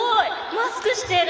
マスクしてる！